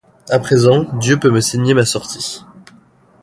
À présent Dieu peut me signer ma sortie.